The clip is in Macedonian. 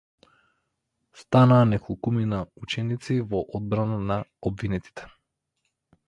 Станаа неколкумина ученици во одбрана на обвинетите.